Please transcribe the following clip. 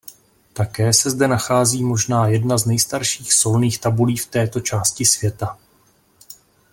Také se zde nachází možná jedna z nejstarších solných tabulí v této části světa.